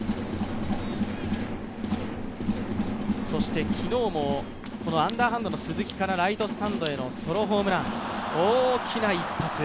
そして昨日もこのアンダーハンドの鈴木からライトスタンドへのソロホームラン、大きな一発。